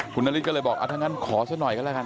คุณนาริสก็เลยบอกอ่ะทั้งนั้นขอเสียหน่อยก็แล้วกัน